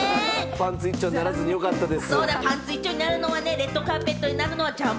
パンツ１丁にならずによかったです。